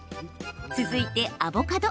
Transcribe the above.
続いて、アボカド。